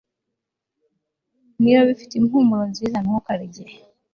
Niba bifite impumuro nziza ntukarye